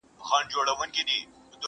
o په اوبو کوچي کوي٫